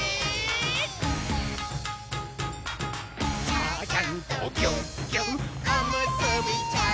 「ちゃちゃんとぎゅっぎゅっおむすびちゃん」